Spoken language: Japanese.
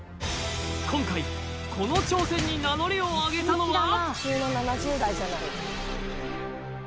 今回この挑戦に名乗りを上げたのは？